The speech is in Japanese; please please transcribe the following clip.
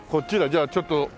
じゃあちょっと。